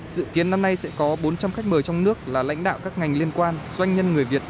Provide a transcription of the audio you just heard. dự kiến năm nay sẽ có bốn trăm linh khách mời trong nước là lãnh đạo các ngành liên quan doanh nhân người việt